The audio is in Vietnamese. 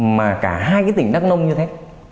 mà cả hai cái tỉnh đắk nông như thế